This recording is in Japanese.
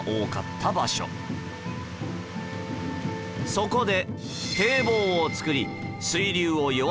そこで